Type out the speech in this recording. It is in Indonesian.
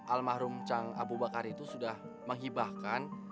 al mahrum chang abu bakar itu sudah menghibahkan